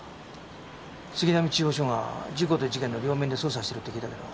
杉並中央署が事故と事件の両面で捜査してるって聞いたけど。